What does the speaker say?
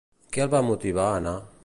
Què el va motivar a anar?